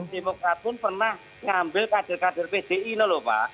demokrat pun pernah ngambil kader kader pdi loh pak